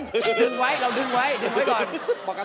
ดึงไว้เราดึงไว้ดึงไว้ก่อน